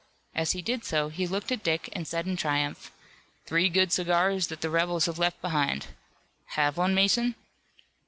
As he did so he looked at Dick and said in triumph: "Three good cigars that the rebels have left behind. Have one, Mason?"